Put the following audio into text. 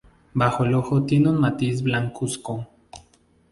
Bajo el ojo tiene un matiz blancuzco.